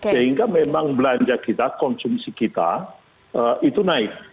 sehingga memang belanja kita konsumsi kita itu naik